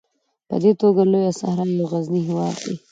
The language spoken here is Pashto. په دې توګه لویه صحرا یو غرنی هېواد دی.